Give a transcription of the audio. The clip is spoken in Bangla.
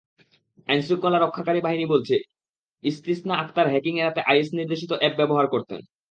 আইনশৃঙ্খলা রক্ষাকারী বাহিনী বলছে, ইসতিসনা আক্তার হ্যাকিং এড়াতে আইএস-নির্দেশিত অ্যাপ ব্যবহার করতেন।